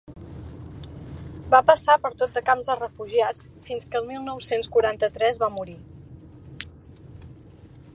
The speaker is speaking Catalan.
Va passar per tot de camps de refugiats fins que el mil nou-cents quaranta-tres va morir.